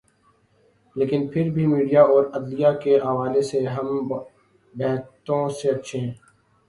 لیکن پھر بھی میڈیا اور عدلیہ کے حوالے سے ہم بہتوں سے اچھے ہیں۔